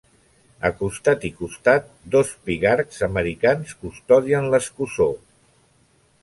A costat i costat, dos pigargs americans custodien l'escussó.